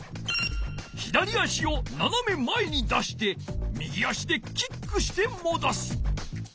左足をななめまえに出して右足でキックしてもどす。